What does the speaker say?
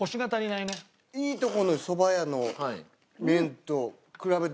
いいとこのそば屋の麺と比べてしまうから。